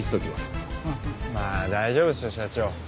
まあ大丈夫ですよ社長。